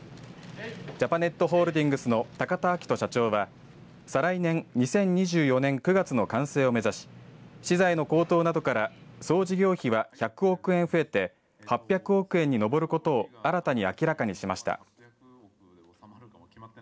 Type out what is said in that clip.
ジャパネットホールディングスの高田旭人社長は再来年、２０２４年９月の完成を目指し資材の高騰などから総事業費は１００億円増えて８００億円に上ることを新たに明らかにしました。